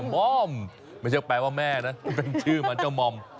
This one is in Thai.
มอมไม่ใช่แปลว่าแม่นะเป็นชื่อเหมือนเจ้ามอม